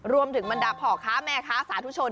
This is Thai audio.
รวมถึงมันดับห่อค้าแม่ค้าสาธุชน